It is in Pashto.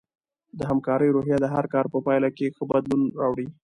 د همکارۍ روحیه د هر کار په پایله کې ښه بدلون راوړي.